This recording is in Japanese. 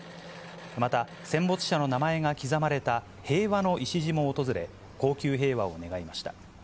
また、戦没者の名前が刻まれた平和の礎も訪れ、恒久平和を願いました。